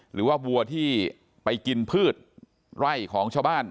หรือว่าวัวที่ไปกินพืชไล่ของชาวบ้าน